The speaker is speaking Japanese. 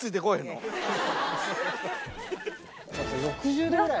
６０度ぐらい。